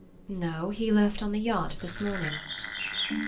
"No; he left on the yacht this morning."